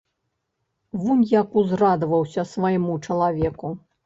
Вунь як узрадаваўся свайму чалавеку!